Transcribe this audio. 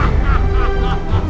ini akan menjadi diriku